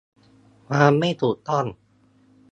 ความไม่ถูกต้อง